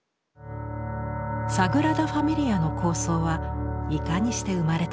サグラダ・ファミリアの構想はいかにして生まれたのか。